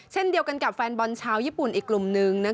เช่นเดียวกันกับแฟนบอลชาวญี่ปุ่นอีกกลุ่มนึง